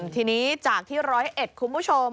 ทีนี้จากที่๑๐๑คุณผู้ชม